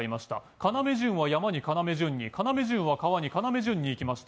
要潤は山に要潤に要潤は川に要潤に行きました。